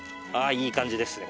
いい感じですね